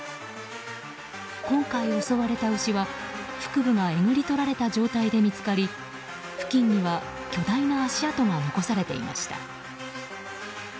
今回襲われた牛は、腹部がえぐり取られた状態で見つかり付近には巨大な足跡が残されていました。